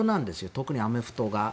特にアメフトが。